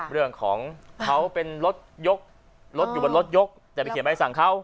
เรื่องของเขาเป็นรถยกรถอยู่บนรถยกแต่ไปเขียนใบสั่งเขา